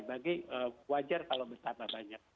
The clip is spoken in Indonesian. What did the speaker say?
bagi wajar kalau bertambah banyak